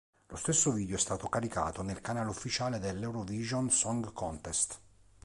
Lo stesso video è stato caricato nel canale ufficiale dell'Eurovision Song Contest.